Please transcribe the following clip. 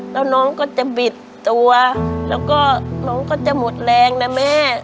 แล้วน้องก็จะบิดตัวแล้วก็น้องก็จะหมดแรงนะแม่